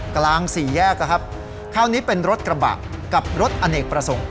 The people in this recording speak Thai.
กลางสี่แยกนะครับคราวนี้เป็นรถกระบะกับรถอเนกประสงค์